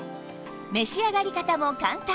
召し上がり方も簡単！